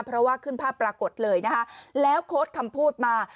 เพราะว่าขึ้นภาพปรากฏเลยนะคะแล้วโค้ดคำพูดมา